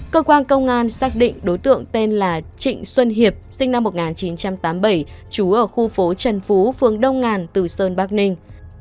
cơ quan công an xác định đối tượng tên là trịnh xuân hiệp sinh năm một nghìn chín trăm tám mươi bảy trú ở khu phố trần phú phương đông ngàn từ sơn bắc ninh